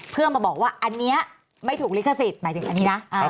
เพื่อมาบอกว่าอันนี้ไม่ถูกลิขสิทธิ์